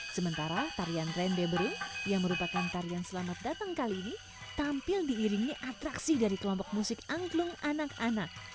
sementara tarian rendebrin yang merupakan tarian selamat datang kali ini tampil diiringi atraksi dari kelompok musik angklung anak anak